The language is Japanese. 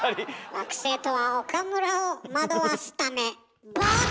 「惑星」とは岡村を惑わすため。